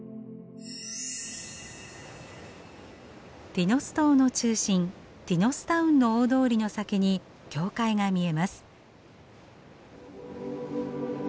ティノス島の中心ティノスタウンの大通りの先に教会が見えます。